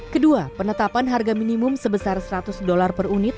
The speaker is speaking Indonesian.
kedua penetapan harga minimum sebesar seratus dolar per unit